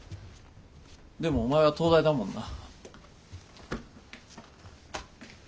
でもお前は東大だもんな。